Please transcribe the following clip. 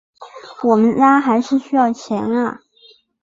我们家还是需要钱啊